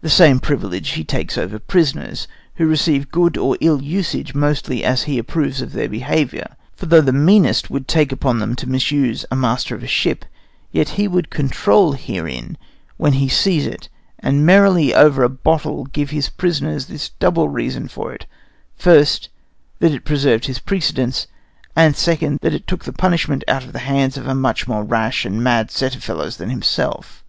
The same privilege he takes over prisoners, who receive good or ill usage mostly as he approves of their behavior, for though the meanest would take upon them to misuse a master of a ship, yet he would control herein when he sees it, and merrily over a bottle give his prisoners this double reason for it: first, that it preserved his precedence; and secondly, that it took the punishment out of the hands of a much more rash and mad set of fellows than himself.